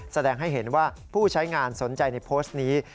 แสดงให้เห็นว่าผู้ใช้งานสนใจในโพสต์นี้